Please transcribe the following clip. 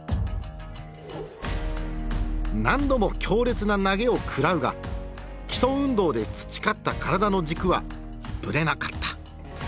何度も強烈な投げを食らうが基礎運動で培った体の軸はぶれなかった。